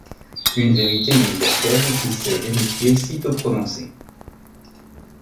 Une vérité universelle qui s’est vérifiée sitôt prononcée.